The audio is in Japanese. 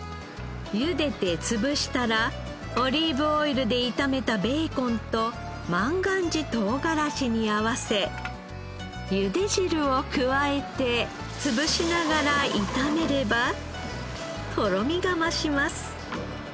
ゆでてつぶしたらオリーブオイルで炒めたベーコンと万願寺とうがらしに合わせゆで汁を加えてつぶしながら炒めればとろみが増します。